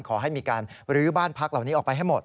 ขอให้มีการลื้อบ้านพักเหล่านี้ออกไปให้หมด